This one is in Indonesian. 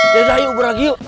biasa yuk berlari yuk